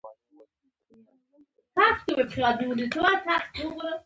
زموږ او ددې نورو مسلمانانو ترمنځ څه توپیر دی.